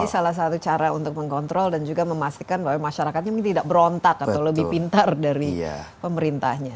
ini salah satu cara untuk mengontrol dan juga memastikan bahwa masyarakatnya mungkin tidak berontak atau lebih pintar dari pemerintahnya